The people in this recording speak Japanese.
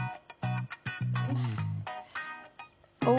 お！